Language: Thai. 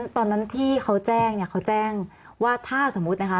ตอนนั้นที่เขาแจ้งเนี่ยเขาแจ้งว่าถ้าสมมุตินะคะ